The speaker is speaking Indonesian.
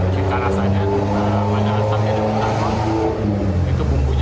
kita rasanya itu panjangnya sampai dengan tanpa